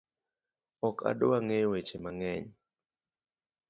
Ok adwa ng'eyo weche mang'eny